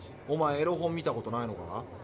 おまえエロ本見たことないのか？